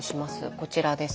こちらです。